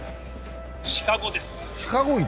シカゴです。